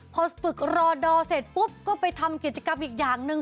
พอฝึกรอดอเสร็จปุ๊บก็ไปทำกิจกรรมอีกอย่างหนึ่ง